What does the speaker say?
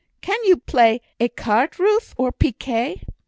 Can you play écarté, Ruth, or picquet?"